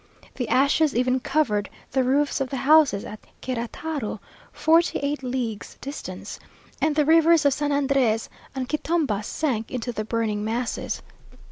The ashes even covered the roofs of the houses at Querétaro, forty eight leagues distance! and the rivers of San Andrés and Cuitumba sank into the burning masses.